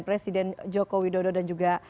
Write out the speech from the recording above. presiden joko widodo dan juga